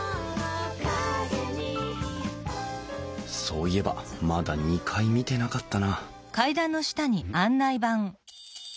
そういえばまだ２階見てなかったなうん？